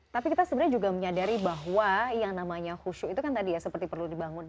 tapi kita sebenarnya juga menyadari bahwa yang namanya khusyuk itu kan tadi ya seperti perlu dibangun